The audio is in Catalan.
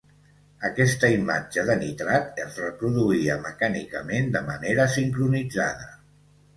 Aquesta imatge de nitrat es reproduïa mecànicament de manera sincronitzada.